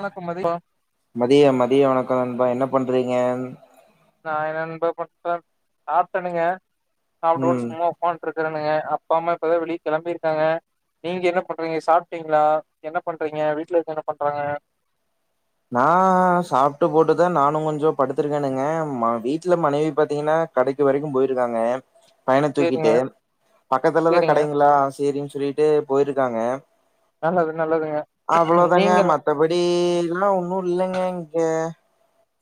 வணக்கம் மதி மதிய மதிய வணக்கம் நண்பா. என்னப் பண்றீங்க நா என்ன நண்பா பண்றே. சாப்ட்டெணுங்க. சாப்ட் போட்டு ம் சும்மா ஒக்கான்ட் இருக்றேனுங்க. அப்பா அம்மா இப்பதா வெளிய கெளம்பிருக்காங்க. நீங்க என்ன பண்றீங்க? சாப்ட்டீங்களா? என்ன பண்றீங்க? வீட்ல இருக்றங்க என்ன பண்றாங்க? நா சாப்ட்டு போட்டுதா நானு கொஞ்சோ படுத்திருக்கேனுங்க வீட்டுல மனைவி பாத்தீங்கன்னா கடைக்கு வரைக்கு போயிருக்காங்க பையன சேரிங்க தூக்கிட்டு பக்கத்துலதா சேரிங்க கடைங்களா சேரின் சொ ல்லிட்டு போயிருக்காங்க நல்லது நல்லதுங்க அவ்வளோதாங்க நீங்கலா மத்தபடி ஒன்னு இல்லைங்க இங்க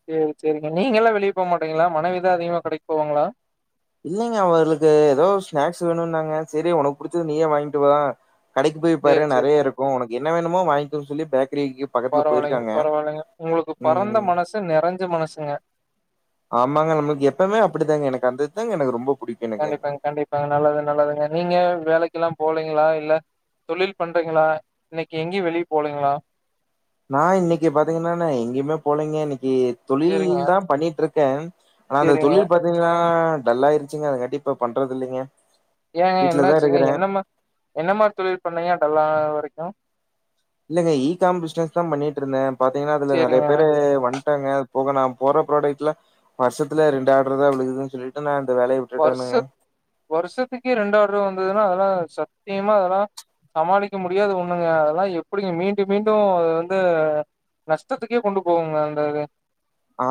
சேரி சேரிங்க நீங்கலா வெளிய போமாட்டீங்களா மனைவிதா அதிகமா கடைக்கு போவாங்களா இல்லைங்க அவங்ளுக்கு ஏதோ ஸ்நாக்ஸ் வேணுன்னாங்க செரி உனக்கு புடிச்சத நீயே வாங்கிட்டு வா கடைக்கு போய் பாரு சேரி நெறைய சேரிங்க இருக்கு உனக்கு எ ன்ன வேணுமோ வாய்ங்கோ சொல்லி பேக் பரவால்லைங்க பரவால்லைங்க உங்களுக்கு பறந்த ம் மனசு நெறஞ்ச மனசுங்க ஆமாங்க நமக்கு எப்பவுமே அப்படித்தாங்க எனக்கு அந்ததுதாங்க எனக்கு ரொம்போ கண்டிப்பாங்க கண்டிப்பாங்க நல்லது நல்லதுங்க நீங்க வேலைக்குலா போலீங்களா இல்ல தொழில் பண்றீங்களா இன்னைக்கு எங்கயு வெளிய போலீங்களா நா இன்னைக்கு பாத்தீங்கன்னா நா எங்கயுமே போலீங்க இன் னிக்கி சேரிங்க தொழில்தா பண்ணிட்டிருக் கேன் ஆனா அந்த சேரிங்க தொழில் பாத்தீங்கன்னா டல் ஆயிருச்சுங்க அதங்காட்டி இப்ப பண்றதில்லைங்க ஏங்க என்னாச்சுங்க என்னமா என்ன மாரி தொழில் பண்ணீங்கா டல்லார வரைக்கு இல்லங்க இ காம் பிசினஸ் தா பண்ணிட்டிருந்தே பாத்தீங்கன்னா அதுல நெறைய சேரிங்க பேரு வண்டாங்க போக நா போற ப்ராடக்ட்ல வருஷத்துல ரெண்டு ஆர்டர் தா விழுக்குதுன் சொல்லிட்டு நான் வருஷத் வருஷத்துக்கே ரெண்டு ஆர்டர் வந்தது னா அதெல்லா சத்தியமா அதெல்லா சமாளிக்க முடியாத ஒண்ணுங்க அதெல்லா எப்படிங்க மீண்டு மீண்டு அது வந்து நஷ்டத்துக்கே கொண்டு போகுங்க அந்த இது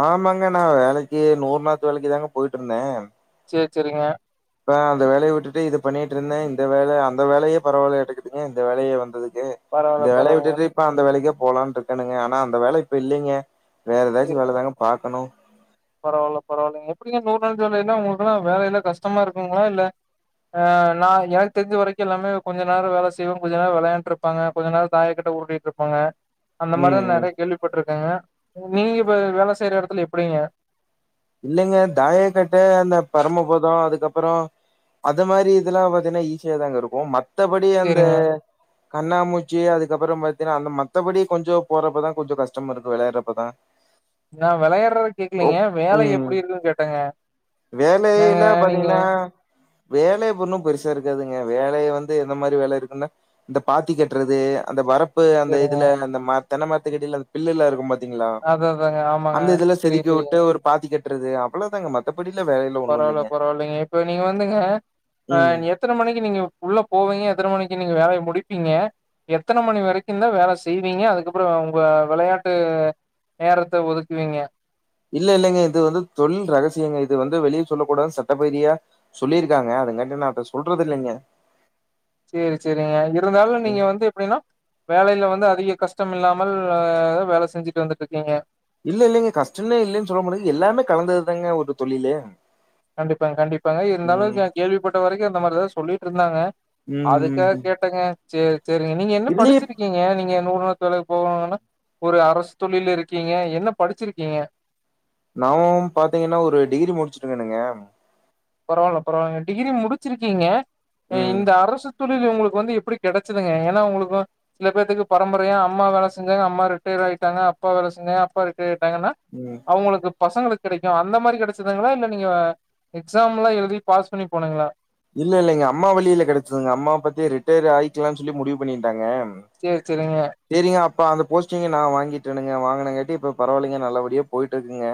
ஆமாங்க நா வேலைக்கு நூறு நாத்து வேலைக்கு தாங்க போயிட்ருந்தே செரி செரிங்க இப்ப அந்த வேலைய விட்டுட்டு இது பண்ணிட்ருந்தே இந்த வேல அந்த வேலையே பரவால்லயாட்டுக்குதுங்க இந்த வேலையே வந்தது கு பரவால்ல இந்த வேலைய பரவால்லைங்க விட்டுட்டு இப்ப அந்த வேலைக்கே போலான் இருக்கேனுங்க ஆனா அந்த வேல இப்ப இல்லைங்க வேற ஏதாச்சு வேல தாங்க பாக்கணு பரவால்ல பரவால்லைங்க எப்படிங்க நூ நாத்து வேல என்னா உங்களுக்குல்லா வேலைல கஷ்டமா இருக்குங்களா இல்ல ஆ நா எனக்கு தெரிஞ்ச வரைக்கு எல்லாமே கொஞ்சோ நேரம் வேல செய்வோ கொஞ்சோ நேரம் விளையாண்ட்டு இருப்பாங்க கொஞ்சோ நேரம் தாயக்கட்ட உருட்டிட்டு இருப்பாங்க அந்த ம் மாரிதா ம் நெறைய கேள்விப்பட்ருக்கேங்க நீங்க இப்ப வேல செய்யற எடத்துல எப்படிங்க இல்லைங்க தாய கட்ட அந்த பரமபதோ அதுக்கப் புறோ அத மாரி இதெல்லா பாத்தீங்கன்னா ஈசியா தாங்க இருக்கு மத் த்தபடி அந்த சேரிங்க கண்ணா மூச்சு அதுக்கு அப்புறம் பாத்தீங்கன்னா அந்த மத்தபடி கொஞ்சம் போறப்பதா கொஞ்சம் கஷ்டம் இருக்கு வெளையடுறப்பதா நா வெளையாடுறத கேக்கலீங்க வே வேல ம் எப்படி இருக்குன் கேட்டங்க என்னங்க வேலையில நீங்க பாத்தீங்கன்னா வேலை ஒண்ணு பெருசா இருக்காதுங்க வேலைய வந்து எந்த மாரி வேல இருக்குன்னா இந்த பாத்தி கட்டுறது அந்த வரப் ப்பு அந்த சரிங்க இதுல அந்த மா தென்ன மரத்துகிட்டல அந்த பில்லெல்லா இருக்கும் பாத் திங்களா அத அதாங்க ஆமாங்க அந்த இதுலா தெரியு செதுக்கி தெரியு உட்டு ஒரு தி கட்றது அவ்வளோ தாங்க மத்த பரவால்ல பரவால்லைங்க இப்ப நீங்க வந்துங்க அ ம் எத்தன மணிக்கு நீங்க உள்ள போவீங்க எத்தன மணிக் கி நீங்க வேலைய முடிப்பீங்க எத்தன மணி வரைக்குந்தா வேல செய்வீங்க அதுக்கப்புறம் உங்க விளையாட்டு நேரத்த ஒதுக்குவீங்க இல்ல இல்லைங்க இது வந்து தொழில் ரகசியங்க இது வந்து வெளிய சொல்ல கூடாதுன் சட்டரீதியா சொல்லிருக்காங்க அது காட்டி நா அத சொல்றது இல்லைங்க சேரி செரிங்க இருந்தாலு நீங்க ம் வந்து எப்டின்னா வேலையில வந்து அதிக கஷ்டம் இல்லாமல் வேல செஞ்சுட்டு வந்துட்ருக்கீங்க இல்ல இல்லைங்க கஷ்டமே இல்லைன் சொல்ல முடியாது எல்லாமே கலந்ததுதாங்க ஒரு தொழிலே கண்டிப்பாங்க கண்டிப்பாங்க இருந்தலு நா கேள்விப்பட்ட வரைக்கு அந்த மாரிதா சொல்லிட்டு இருந்தாங்க ம் அதுக்காக ம் கேட்டேங்க சேரி சேரிங்க நீங்க என்ன இதுலயே படிச்சிருக்கீங்க நீங்க நூறு நாத்து வேலைக்கு போகணுன்னா ஒரு அரசு தொழில்ல இருக்கீங்க என்ன படிச்சிருக்கீங்க நாவும் பாத்தீங்கன்னா ஒரு டிகிரி முடிச்சிருக்கேனுங்க பரவால்ல பரவால்லங்க டிகிரி முடிச்சிருக்கீங்க ம் இந்த அரசுத் துறையில உங்களுக்கு வந்து எப்டி கெடைச்சதுங்க ஏன்னா உங்களுக்கு சில பேத்துக்கு பரம்பரையா அம்மா வேல செஞ்சாங்க அம்மா ரிட்டேர் ஆயிட்டாங்க அப்பா வேல செஞ்சாங்க அப்பா ரிட்டேர் ட்டாங்கன்னா ம் அவுங்களுக்கு பசங்களுக்கு கெடைக்கு அந்த மாரி கெடைச்சுதுங்களா இல்ல நீங்க எ க்ஸால்லா எழுதி பாஸ் பண்ணி போனிங்களா இல்ல இல்ல எங்க அம்மா வழியில கெடைச்சுதுங்க அம்மா பத்தி ரிட்டையர் ஆயிக்கலாம்னு சொல்லி முடிவு பண்ணியிருந்தங்க செர் செரிங்க போ அந்த போஸ்டிங்க நா வாங்கிட்டேன்னுங்க வாங்கினங்க காட்டி இப்ப பரவாயில்லிங்க நல்லபடியா போயிட்ருக்குங்க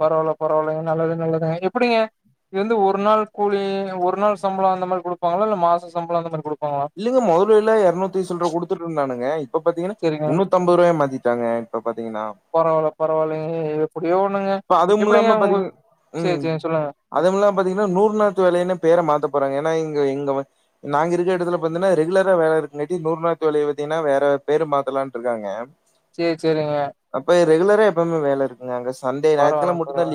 பரவால்ல பரவால்லங்க நல்லது நல்லதுங்க எப்டிங்க இது வந்து ஒரு நாள் கூலி ஒரு நாள் சம்பள அந்த மாரி குடுப்பாங்களா இல்ல மாச சம்பள அந்த மாரி குடுப் இல்லங்க மொதல்ல இல்லா இரநூத்தி சில்லற குடுத்துட்டுயிருந்தானுங்க இப்ப பாத்தீங்கன்னா செரிங்க முன்னூத்தி அம்பது ரூபாய மாத்தி டாங்க இப்ப பாத்தீங்கன்னா பரவால்ல பரவால்லங்க இது இப்ப அதுமுலாம பாத்திங் சேரி ம் சேரிங்க சொல்லுங்க அது மில்லா பாத்தீங்குனா நூறு நாத்து வேலயன்னு பேர மாத்த போறாங்க ஏனா இ ங்க இங்கவ நாங்க இருக்க எடத்துல பாத்துனா ரெகுலரா வேல இருக்குங்காட்டி நூர்நாத் வேலய பாத்தீங்குனா வேற பேரு மாத்தலான்ட் இருக்காங்க சேர் சேரிங்க அப்ப ரெகுலரா எப்பாவுமே வேல இருக்குங்க அங்கஸ் பரவால பரவால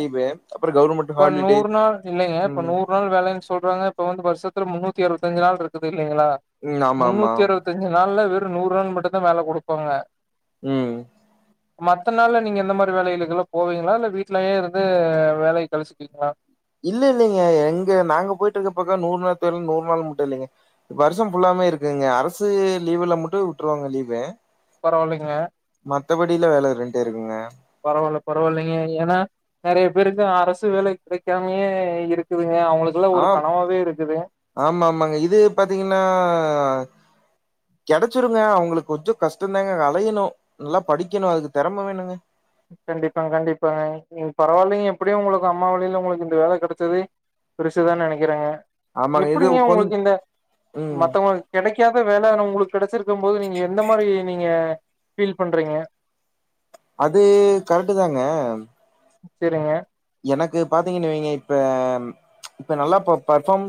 கவர்மெண்ட் இப்ப ஹாலிடேஸ் நூரு நாள் இல்லைங்க இப்ப ம் நூர் நாள் வேலயி சொல்றாங்க இப்ப வந்து வர்ஷத்ல முன்னு த்தி அறுவத்தஞ்சு நாள் இருக்குது இல்லைங்குளா ம் ஆமா ஆமா முன்னூத்தி அறுவதஞ்சு நாள்ல வே று நூர்நாள் மட்டுந்தா வேல குடுப்பாங்க ம் மத்த நாள்ல நீங்க எந்த மாரி வேலைகளுக்குலா போவீங்ளா இல்ல வீட்லயே இருந்து வேலை கழிச்சுகிங்ளா இல்ல இல்லைங்க எங்க நாங்க போய்ட்டு இருக்க பக்கோ நூர் நாள் தொழில் நூர் நாள் முட்டு இல்லைங்க வருஷோ ஃபுல்லாமே இருக்குங்க அரசு லீவுல மட்டு உட்ருவாங்க லீவு பரவாயில்லைங்க மத்தபடியில வேல இருந்துட்டே இருக்குங்க பரவால்ல பரவாயில்லைங்க ஏனா நெறைய பேருக்கு அரசு வேலை கெடைக்காமியே இருக்குது ஆம் ஆமா ஆமாங்க இது பாத்தீங்கன்னா கெடச்சிருங்க அவுங்குளுக் கொஞ்சோ கஷ்டந்தாங்க அலையணு நல்லா படிக்கணு அதுக்கு தெறம வேணுங்க கண்டிப்பா கண்டிப்பாங்க நீங்க பரவாலைங்க எப்டியு உங்களுக்கு அம்மா வழில ஒங்களுக்கு இந்த வேல கெடச்சது பெரிசுதா நெனைக்கிறேங்க ஆமாங்க இது எப்டிங்கே கொஞ் உங்களுக் இந்த ம் மத்தவளுங் கெடைக்காத வேல ஆனா உங் கெடச்சிருக்கு போது நீங்க எந்த மாரி நீங்க ஃபீல் பண்றீங்க அது கரட்டுதாங்க செரிங்க எனக்கு பாத்தீகின் வைங்க இப்ப இப்ப நல்லா போ பெர்ஃபாம்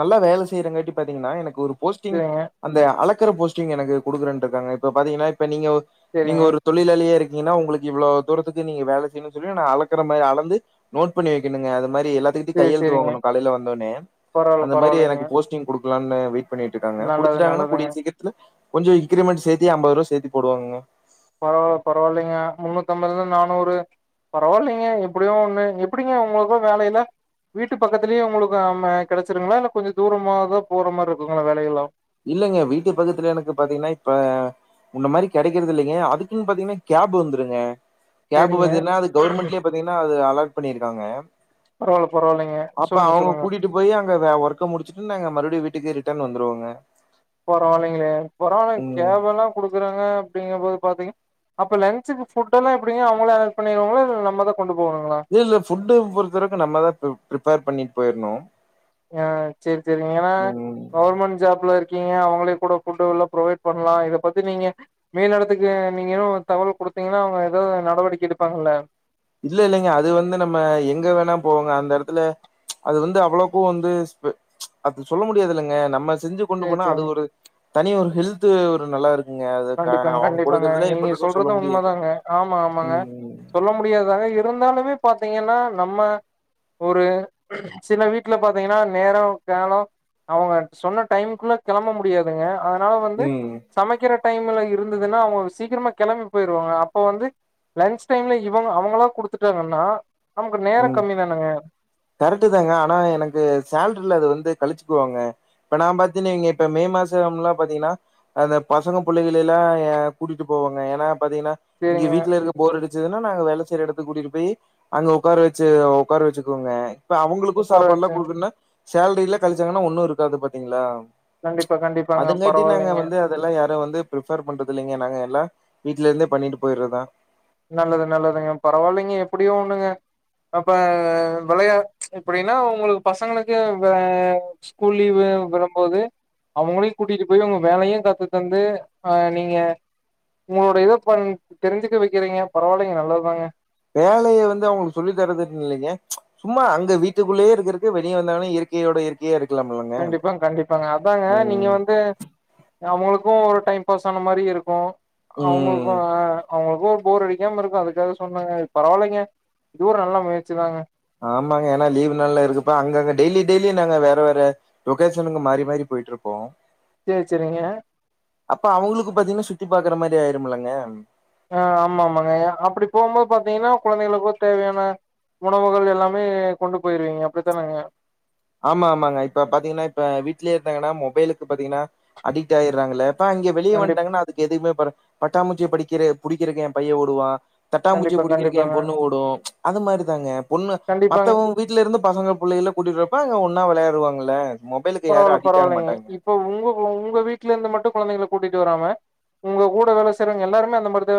நல்லா வேல செய்றங்காட்டி பாத்தீங்குனா எனக் ஒரு போஸ்டிங் செரிங்க அந்த அளக் க்ற போஸ்டிங் எனக்கு குடுக்குறன்ட்ருக்காங்க இப்போ பாத்தீங்கனா இப்ப நீங்க ஒ நீங்க செரிங்க ஒரு தொழிலாளியா இரு ந்தீங்கனா உங்களுக்கு இவுளோ தூரத்துக்கு நீங்க வேல செய்னு சொல்லி நா அளக் கற மாரி அளந்து நோட் பண்ணிவைக்கணுங்க அத மாரி எல்லாத்துக்கிட்டியு செரி கையெழுத்து செரிங்க வாங்கணு காலேல வந்தோனே பரவால்ல அந்த மாரி பரவால்லைங்க எனக்கு போஸ்டிங் குடு க்லான்னு வெய் பண்ணீட்ருக்காங்க நல்லது குடுத்துட்டாங்கனா கூடிய நல்லதுங்க சீக்கர்த்துல கொஞ்சோ இன்கிரிமென்ட் சேத்தே அம்பதுருவா சேத்தி போடுவாங்கங்க பரவால பரவால்லைங்க முன்னூத் அம்பதுல நானூறு பரவாயில்லைங்க எப்புடியு ஒண்ணு எப்புடிங்க உங்களுக்கு வேல எல்லா வீட்டு பக்கத்துலே உங்களுக்கு அம்ம கெடைச்சிருங்ளா இல்ல கொஞ்ச தூரமாதா போற மாரி இருக்குங்களா வேலயெல்லா இல்லங்க வீட்டு பக்கத்துல எனக்கு பாத்தீங்ன்னா இப்ப முன்ன மாரி கெடைக்கறதில்லைங்க அதுக்குன் பாத்தீங்னா கேப் வந்துருங்க கேபு சேரிங்க பாத்தீன்னா அது கவுர்மெண்ட்லே பாத்தீங்ன்னா அது அலாட் பண்ணிருக்காங்க பரவால்ல பரவால்லைங்க அப்ப சொல்லுங்க அவுங்க சொல்லுங்க கூட்டிட்டு போய் அங்க வே ஒர்க்க முடிச்சுட்டு நாங்க மறுபடியு வீட்டுக்கு ரிட் டன் வந்துருவோங்க பரவாலைங்களே பரவால்ல ம் கேப் எல்லா குடுக்குறாங்க அப்படிங்க போது பாத்தீங்க அப்ப லன்ச்சுக்கு ஃபுட் எல்லா எப்படிங்க அவங்களே அரேன்ஜ் பண்ணிடுவாங்களா இல்ல நம்ம தா இல்ல இல்ல ஃபுட்டு் ஒவ்வொருத்தருக்கு நம்ம தா ப்ரி ப்ரிப்பேர் பண்ணிட்டு போய்ர்ணு ஆ சேர் செரிங்க ஏனா ம் கவர்மெண்ட் ஜாப்ல இருக் கீங்க அவங்களே கூட ஃபுட்டு் எல்லா புரொவைட் பண்லா இத பத்தி நீங்க மேல் எடத்துக்கு நீங்களு தகவல் குடுத்தீங்கன்னா அவங்க எதாது நடவடிக்க எடுப்பாங்கல்ல இல்ல இல்லைங்க அது வந்து நம்ம எங்க வேணா போவோங்க அந்த எடத்துல அது வந்து அவ்ளோக்கு வந்து அது சொல்ல முடியாது இல்லங்க நம்ம செஞ்சு கொண்டு சேரி போனா அது சேரிங்க ஒரு தனி ஒரு ஹெல்த்து ஒரு நல்லா இருக் கண்டிப்பாங்க கண்டிப்பாங்க நீங்க சொல்ல சொல்றது முடியாது உண்மதாங்க ஆமா ஆமாங்க ம் சொல்ல முடியாதுதாங்க இ இருந்தாலுமே பாத்தீங்கன்னா நம்ம ஒரு சில வீட்ல பாத்தீங்கன்னா நேரோ காலோ அவங்க சொன்ன டைம் குள்ள கெளம்ப முடியாதுங்க ஆ னா வந்து ம் சமைக்கிற டைம்ல இருந்ததுன்னா அவங்க சீக்கிரமா கெளம்பி போயிருவாங்க அப்ப வந்து லஞ்ச் டைம்ல இவங்க அவங்களா குடுத்துட்டாங்கன்னா நமக்கு நேரோ ம் கம்மி தானங்க கரெக்டு தாங்க ஆனா எனக்கு சேல்ரில அது வந்து கழிச்சுக்குவாங்க இப்ப நா பாத்தீங்கனா இப்ப மே மாசம்லா பாத்தீங்கன்னா அந்த பசங்க புள்ளைங்க எல்லா கூட்டிட்டு போவங்க ஏனா பாத்தீங்கன்னா இங்க சேரிங்க வீட்ல இருக்க போர் அடி சுதுன்னா நாங்க வேல செய்ற எடத்துக்கு கூட்டிட்டு போய் அங்க உட்கார வச்சி உட்கார வச்சுக்கோங்க இப்ப அவங்களுக்கு உக்கார சாப்பாடு எல்லா வச்சு குடுக்குன்னா சேல்ரில கழிச்சாங்கன்னா ஒண்ணு இருக்காது பாத்தீங்களா கண்டிப்பா கண்டிப்பாங்க அதுங்காட்டி நாங்க பரவால்லைங்க வந்து அதெல்லாம் யாரும் வந்து பிரிஃபர் பண்றது இல்லைங்க நாங்க எல்லா வீட்ல இருந்தே பண்ணிட்டு போயிடுறதுதா நல்லது நல்லதுங்க பரவால்லைங்க எப்படியோ ஒண்ணுங்க அப்ப வெளையா எப்டின்னா உங்களுக்கு பசங்களுக்கு அ ஸ்கூல் லீவு விடம் போது அவங்களையு கூட்டிட்டு போய் உங்க வேலையு கத்து தந்து அ நீங்க உங்களோட இத பண் தெரிஞ்சுக்க வைக் க்கிறீங்க பரவால்லைங்க நல்லதுதாங்க வேலைய வந்து அவங்களுக்கு சொல்லி தரதுன் இல்லைங்க சும்மா அங்க வீட்டுக்குள்ளேயே இருக்குறக்கு வெளிய வந்தாங்கன்னா இயற்கையோட இயற்கையா இருக் கண்டிப்பா கண்டிப்பாங்க அதாங்க நீங்க ம். வந்து அவங்களுக்கு ஒரு டைம் பாஸ் ஆன மாரி இருக்கு அவுங்களுக்கு ம். அவுங்களுக்கு போர் அடிக்காம இருக்கு அதுக்காக சொன்னங்க இது பரவால்லைங்க இது ஒரு நல்ல முயற்சி தாங்க ஆமாங்க ஏனா லீவ் நாள்ள இருக்குப்ப அங்க அங்க டெய்லி டெய்லி நாங்க வேற வேற லொகேஷனுங்கு மாறி மாறி போயிட்ருப்போ சேர் செரிங்க அப்ப அவங்களுக்கு பாத்தீங்கன்னா சுத்தி பாக்குற மாரி ஆயிரும்லங்க ஆ ஆமா ஆமாங்க அப்படி போம்போது பாத்தீங்கன்னா கொழந்தைகளுக்கு தேவையான உணவுகள் எல்லாமே கொண்டு போயிருவீங்க அப்படித்தானங்க ஆமா ஆமாங்க இப்ப பாத்தீங்கன்னா இப்ப வீ்ட்லையே இருந்தாங்கன்னா மொபைலுக்கு பாத்தீங்கன்னா அடிக்ட் ஆய்டுறாங்கள அப்பா அங்க வெளிய கண்டிப்பா வன்டாங்கன்னா அதுக்கு எதுவுமே ப பட்டாமூச்சிய படிக்கிற புடிக்கிறக்கு என் பையன் ஓடுவா தட்டாம்பூச்சிய கண்டிப்பா புடிக்கிறக்கு என் கண்டிப்பாங்க பொண்ணு ஓடும் அது மாரிதாங்க பொண்ணு கண்டிப்பாங்க மத்தவங்க வீட்டுல இருந்து பசங்க புள்ளைகல கூட்டிட்டு வர னா அங்க ஒன்னா வெளையாடுவாங்கல பரவால்ல பரவால்லைங்க இப்ப உங்க உங்க வீட்டுல இருந்து மட் டு குழந்தைகள கூட்டிட்டு வராம உங்க கூட வேல செய்றவங்க எல்லாருமே அந்த மாரிதா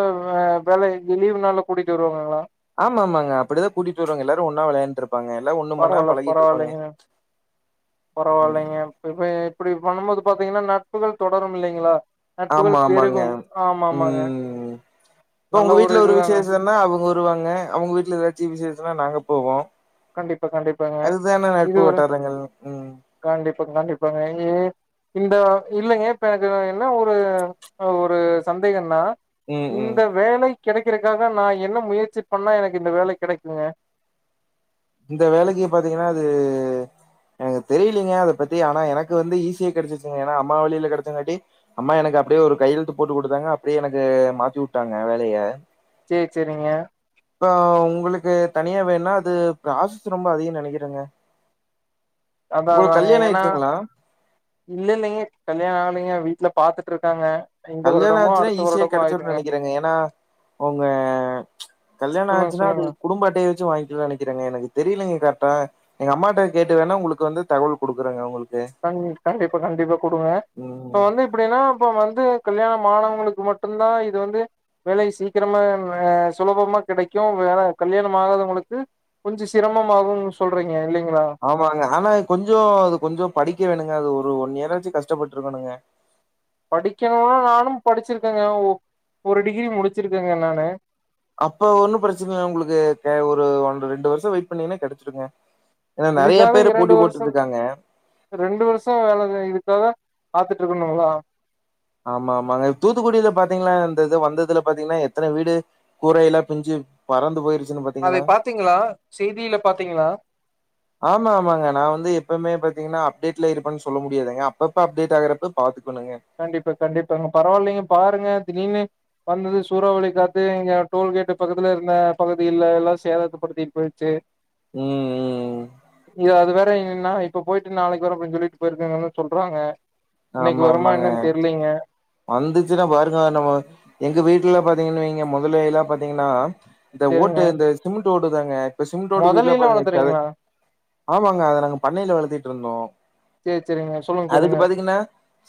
வே லீவ் நாள்ல கூட்டிட்டு வருவாங்களா ஆமா ஆமாங்க அப்படிதா கூட்டிட்டுவருவாங்க எல்லாரு ஒன்னா விளையாண்டுருப் பரவால்ல பரவால்லைங்க பரவால்லைங்க இப்ப எப்படி பண்ணும்போது பாத்தீங்கன்னா நட்புகள் தொடரும் இல்லைங்களா ஆமா நட்புகள் ஆமாங்க பெருகும் ஆமா ஆமாங்க ம் இப்ப நல்ல உங்க வீட்டுல ஒரு இதுதாங்க விசேஷன்னா அவங்க வருவாங்க அவங்க வீட்டுல ஏதாச்சு விசேஷ னா நாங்க போவோம் கண்டிப்பா கண்டிப்பாங்க அதுதானே நட்பு வட்டாரங்கள் ம் பா கண்டிப்பாங்க ஏ இந்த இல்லைங்க இப்ப எனக்கு என்ன ஒரு ஒரு சந்தேகம்னா ம் ம் இந்த வேலை கெடைக்கறக்காக நா என்ன முயற்சி பண்ணா எனக்கு இந்த வேலை கெடைக்குங்க இந்த வேலைக்கு பாத்தீங்கன்னா அது எனக்கு தெரியலீங்க அத பத்தி ஆனா எனக்கு வந்து ஈஸியா கெடச்சிருச்சுங்க ஏன்னா அம்மா வழியில கெடச்சங்காட்டி அம்மா எனக்கு அப்படியே ஒரு கையெழுத்து போட்டு கொடுத்தாங்க அப்படியே எனக்கு மாத்தி வுட்டாங்க வேலைய சேரி சேரிங்க இப்ப உங்களுக்கு தனியா வேணுனா அது ப்ராசஸ் ரொம்ப அதிகோன் நெனைக்கிறேங்க அதா உங்களுக்கு அதாங்க கல்யாணோ ஏன்னா ஆயிடுச்சுங்களா இல்லல்லைங்க கல்யாணம் ஆகலைங்க வீ ட்ல பாத்துட்ருக்காங்க கல்யாணம் ஆச்சுனா ஈஸியா கெடச்சுருன் நெனைக்கிறேங்க ஏன்னா அவுங்க கல்யாணம் சொல்லுங்க ஆச்சுன்னா அது சொல்லுங்க குடும்ப அட்டைய வச்சு வாங்கிலான் நெனைக்கிறேங்க எனக்கு தெரியலங்க கரெக்டா எங்க அம்மாட்ட கேட்டு வேணா உங்களுக்கு வந்து தகவல் குடுக்குறேங்க உங்களுக் கண்டிப்பா கண்டிப்பா கண்டிப்பா குடுங்க இப்ப ம் வந்து இப்படின்னா இப்ப வந்து கல்யாணம் ஆணவங்களுக்கு மட்டும் தா இது வந்து வேலை சீக்கிரமா ஆ சுலபமா கிடைக்கு வேலை கல்யாணம் ஆகாதவங்களுக்கு கொஞ்சு சிரமமாகுனு சொல்றீங்க இல்லீங் ஆமாங்க ஆனா கொஞ்சு அது கொஞ்சு படிக்க வேணுங்க அது ஒரு ஒன்னு இயராச்சு கஷ்டப்பட்டுருக்கணுங்க படிக்கணும்னா நானு படிச்சிருக்கேங்க ஓ ஒரு டிகிரி முடிச்சிருக்கேங்க நானு அப்ப ஒன்னு பிரச்சனை இல்ல உங்களுக்கு ஒரு ரெண்டு வருஷோ வெயிட் பண்ணீங்கன்னா கெடைச்சிருங்க இதுக்காக இரண்டு வருஷம் ரெண்டு வருஷம் வேலை இதுக்காக பாத்துட்டு இருக்கணுங்களா ஆமா ஆமாங்க தூத்துக்குடியில பாத்தீங்களன்னா தெரிது வந்ததுல பாத்தீங்கன்னா எத்தனை வீடு கூரை எல்லா பிஞ்சு பறந்து போயிருச்சு அதை பாத்தீங்களா செய்தியில பாத்தீங்களா ஆமா ஆமாங்க நா வந்து எப்பவுமே பாத்தீங்கன்னா அப்டேட்ல இருப்பேன்னு சொல்ல முடியாதுங்க அப்பப்ப அப்டேட் ஆகறப்ப பாத்துட்டு கண்டிப்பா கண்டிப்பாங்க பரவாயில்லைங்க பாருங்க திடீர்னு வந்தது சூறாவளி காத்து இங்க டோல்கேட்டு பக்கத்துல இருந்த பகுதில எல்லா சேதத்தப்படுத்திட்டு போயிடுச்சு ம் ம் இது அது வேற என்ன இப்ப போயிட்டு நாளைக்கு வரும் அப்படின்னு சொல்லிட்டு போயிருக்கங்கன்னு சொல்றாங்க ஆமா ஆமாங்க இல்லைங்க வந்துச்சுன்னா பாருங்க நம்ம எங்க வீட்டுல பாத்தீங்கன்னு வெயிங்க மொதல்ல எல்லா பாத்தீங்கன்னா இந்த ஓட்டு சரிங்க இந்த சிம ஓடுதாங்க இப்ப சிமெண்டோடு வீடுல மொதலையில பாருங்க இப்ப வளர்த்துறீங்களா ஆமாங்க அத நாங்க பண்னையில வளத்திட்டு இருந்தோ சேரி சரிங்க சொல்லுங்க அதுக்கு சொல்லுங்க பாத்தீங்கன்னா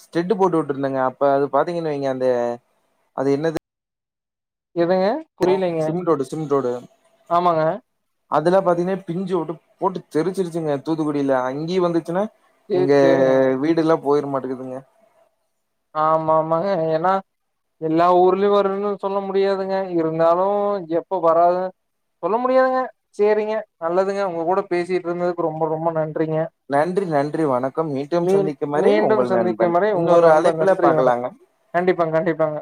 ஸ்டெட்டு போட்டு விட்டிருந்தோங்க அது பாத்தீங்கன்னு வைங்க அந்த அது என்னது எதுங்க புரியலைங்க சிமெண்ட் ஓடு ஆமாங்க அதெல்லா பாத்தீங்கன்னா பிஞ்சு விட்டு போட்டு தெரிச்சிருச்சுங்க தூத்துக்குடியில அங்கேயே வந்துச்சுன்னா சேரி எங்க சேரிங்க வீடு எல்லா போயிரு மாட்டுக்குதுங்க ஆமா ஆமாங்க ஏன்னா எல்லா ஊர்லயு வருனு சொல்ல முடியாதுங்க இருந்தாலு எப்ப வராது சொல்ல முடியாதுங்க செரிங்க நல்லதுங்க உங்க கூட பேசிட்டு இருந்ததுக்கு ரொம்ப ரொம்ப நன்றி நன்றி நன்றி வணக்கம் மீண்டும் மீ சந்திக்கும் வரை மீண்டும் உங்கள் சந்திக்கும் நண்பன் வரை உங்கள் இன்னொரு அழைப்பு நண்பன் நன்றி வணக்கம் கண்டிப்பா கண்டிப்பாங்க